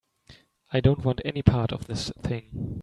I don't want any part of this thing.